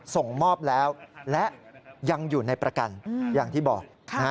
ส่งมอบแล้วและยังอยู่ในประกันอย่างที่บอก